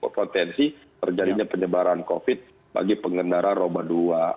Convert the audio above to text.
potensi terjadinya penyebaran covid bagi pengendara roda dua